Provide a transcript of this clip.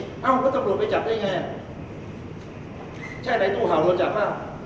อย่างงี้เอ้าก็ต้องบริษัทไปจับได้ไงใช่ไหมตู้เห่าเราจับมาก